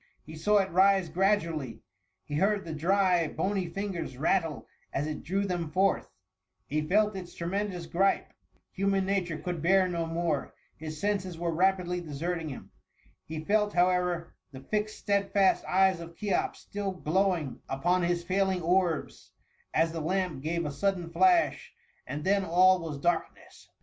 He saw it rise gradu* ally — he heard the dry, bony fingers rattle as it drew them forth ^he felt its tremendous gripe —human nature could bear no more — ^his senses were rapidly deserting him ; he felt, however, the fixed stedfast eyes of Cheops still glow ing upon his failing orbs, as the lamp gave a sudden flash, and then all was darkness